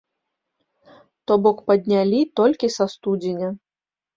То бок паднялі толькі са студзеня.